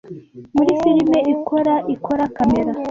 Muri firime ikora ikora kamera